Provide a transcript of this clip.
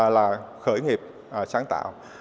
là khởi nghiệp sáng tạo